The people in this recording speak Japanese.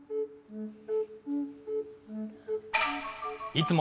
いつも